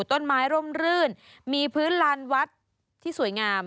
ต้นไม้ร่มรื่นมีพื้นลานวัดที่สวยงาม